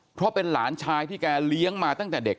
เพราะเป็นหลานชายที่แกเลี้ยงมาตั้งแต่เด็ก